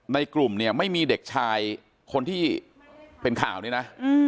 ในกลุ่มเนี่ยไม่มีเด็กชายคนที่เป็นข่าวนี้นะ